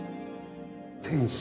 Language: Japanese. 天使？